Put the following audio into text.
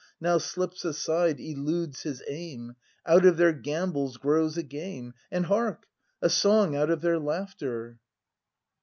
Now slips aside, eludes his aim, — Out of their gambols grows a game ! And hark, a song out of their laughter!